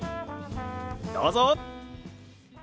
どうぞ！